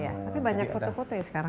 tapi banyak foto foto ya sekarang